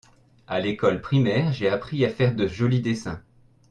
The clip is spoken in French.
À l’école primaire j’ai appris à faire de joli dessins.